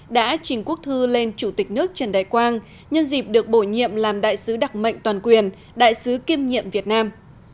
đã trình quốc thư lên chủ tịch nước trần đại quang nhân dịp được bổ nhiệm làm đại sứ đặc mệnh toàn quyền đại sứ kiêm nhiệm việt nam